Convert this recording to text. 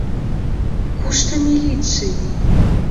Кушто милиций?..